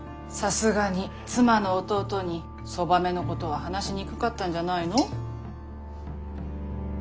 さすがに妻の弟にそばめのことは話しにくかったんじゃないの。